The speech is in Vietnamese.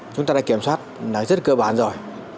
chúng ta đã kiểm soát rất cơ bản rồi